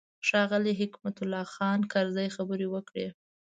ښاغلي حکمت الله خان کرزي خبرې وکړې.